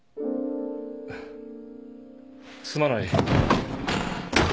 すまない。